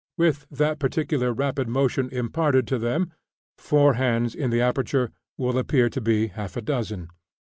With that peculiar rapid motion imparted to them, four hands in the aperture will appear to be half a dozen.